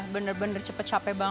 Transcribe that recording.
benar benar cepat capek banget